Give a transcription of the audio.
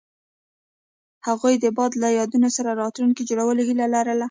هغوی د باد له یادونو سره راتلونکی جوړولو هیله لرله.